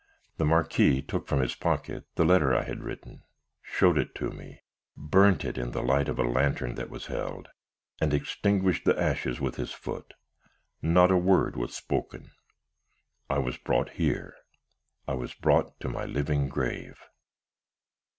The Marquis took from his pocket the letter I had written, showed it me, burnt it in the light of a lantern that was held, and extinguished the ashes with his foot. Not a word was spoken. I was brought here, I was brought to my living grave.